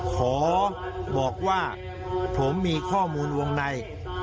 ขอบอกว่าผมมีข้อมูลวงใน